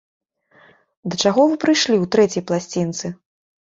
Да чаго вы прыйшлі ў трэцяй пласцінцы?